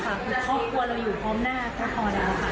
คือครอบครัวเราอยู่พร้อมหน้าก็พอแล้วค่ะ